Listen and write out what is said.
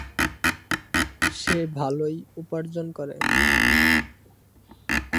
সে ভালোই উপার্জন করে।